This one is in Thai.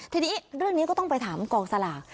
ทีนี้เรื่องนี้ก็ต้องไปถามกองสลาก